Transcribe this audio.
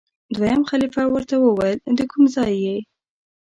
دویم خلیفه ورته وویل دکوم ځای یې؟